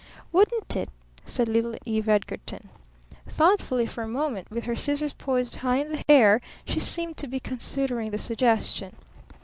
"Wouldn't it?" said little Eve Edgarton. Thoughtfully for a moment, with her scissors poised high in the air, she seemed to be considering the suggestion.